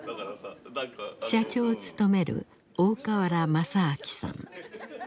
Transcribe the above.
社長を務める大川原正明さん。